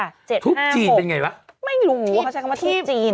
มันเป็นไงแหละไม่รู้เขาใช้คำว่าทูบจีน